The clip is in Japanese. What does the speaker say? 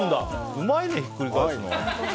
うまいね、ひっくり返すの。